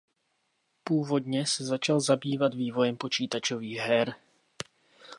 Původně se začal zabývat vývojem počítačových her.